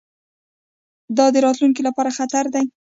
دا د راتلونکي لپاره خطر دی.